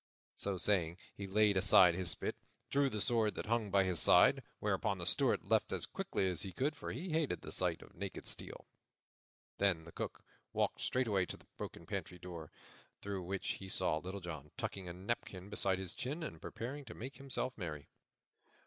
So saying, he laid aside his spit and drew the sword that hung by his side; whereupon the Steward left as quickly as he could, for he hated the sight of naked steel. Then the Cook walked straightway to the broken pantry door, through which he saw Little John tucking a napkin beneath his chin and preparing to make himself merry.